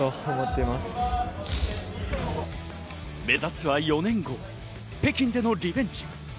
目指すは４年後、北京でのリベンジ。